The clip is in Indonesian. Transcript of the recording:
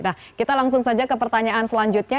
nah kita langsung saja ke pertanyaan selanjutnya